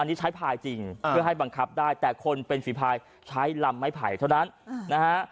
อันนี้ใช้พายจริงเพื่อให้บังคับได้แต่คนเป็นฝีภายใช้ลำไม้ไผ่เท่านั้นนะฮะ